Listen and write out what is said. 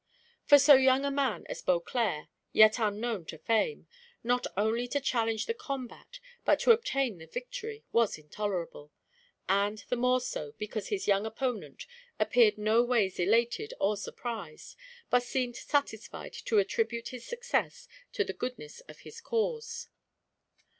For so young a man as Beauclerc, yet unknown to fame, not only to challenge the combat but to obtain the victory, was intolerable; and the more so, because his young opponent appeared no ways elated or surprised, but seemed satisfied to attribute his success to the goodness of his cause.